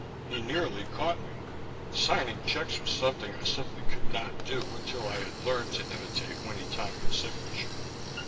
He nearly caught me. Signing checks was something I simply could not do until I had learned to imitate Winnie Tompkins' signature.